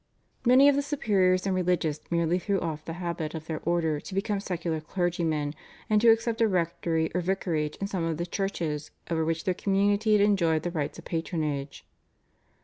Many of the superiors and religious merely threw off the habit of their order to become secular clergymen, and to accept a rectory or vicarage in some of the churches over which their community had enjoyed the rights of patronage.